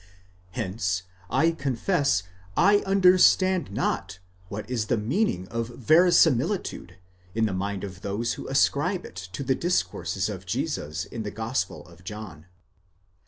2 Hence, I confess, I understand not what is the meaning of verisimilitude in the mind of those who: ascribe it to the discourses of Jesus in the Gospel of John.